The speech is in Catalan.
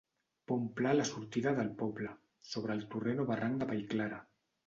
Pont pla a la sortida del poble, sobre el torrent o barranc de Vallclara.